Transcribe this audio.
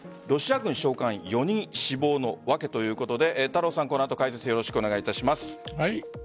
ロシア軍将官４人死亡の訳ということで太郎さん、この後解説よろしくお願いします。